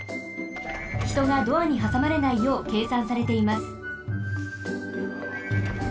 ひとがドアにはさまれないようけいさんされています。